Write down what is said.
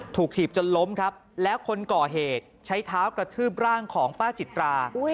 ถีบจนล้มครับแล้วคนก่อเหตุใช้เท้ากระทืบร่างของป้าจิตรา